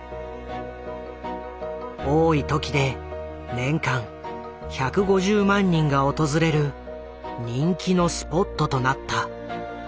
多い時で年間１５０万人が訪れる人気のスポットとなった。